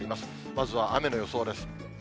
まずは雨の予想です。